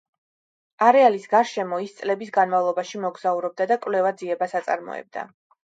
არეალის გარშემო ის წლების განმავლობაში მოგზაურობდა და კვლევა-ძიებას აწარმოებდა.